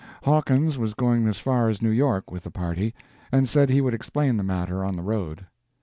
Hawkins was going as far as New York with the party, and said he would explain the matter on the road.